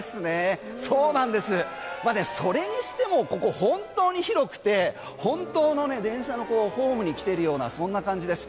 それにしてもここ、本当に広くて本当の電車のホームに来てるようなそんな感じです。